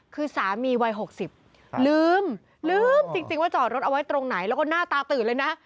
คือสามีวัย๖๐ลืมลืมจริงว่าจอดรถเอาไว้ตรงไหนแล้วก็หน้าตาตื่นเลยนะ